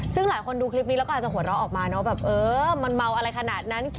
ซึ่งหลายคนดูคลิปนี้แล้วก็อาจจะหัวเราะออกมาเนอะแบบเออมันเมาอะไรขนาดนั้น